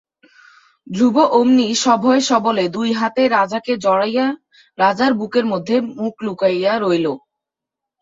ধ্রুব অমনি সভয়ে সবলে দুই হাতে রাজাকে জড়াইয়া রাজার বুকের মধ্যে মুখ লুকাইয়া রহিল।